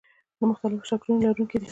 د مختلفو شکلونو لرونکي دي.